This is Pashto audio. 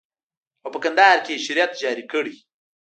او په کندهار کښې يې شريعت جاري کړى.